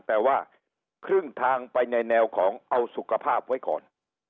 แต่ว่าครึ่งทางไปในแนวของเอาสุขภาพไว้ก่อน